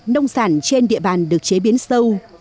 nông sản trên địa bàn được chế biến sâu